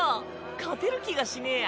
勝てる気がしねぇや。